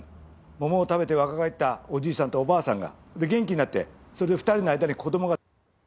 桃を食べて若返ったおじいさんとおばあさんが元気になってそれで２人の間に子供が。